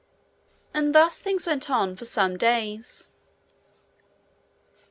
And thus things went on for some days.